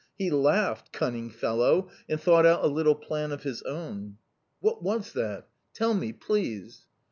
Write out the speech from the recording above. He laughed cunning fellow! and thought out a little plan of his own." "What was that? Tell me, please."